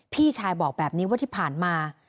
พี่ชายบอกแบบนี้ว่าที่ผ่านมา